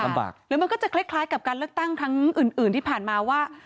หรือมันก็จะคล้ายกับการเลือกตั้งครั้งอื่นที่ผ่านมาว่า